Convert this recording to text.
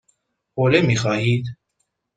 حوله می خواهید؟